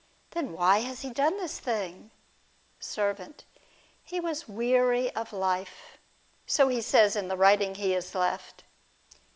Then why has he done this thing ? Servant. He was weary of life, — so he says in the writing he has left.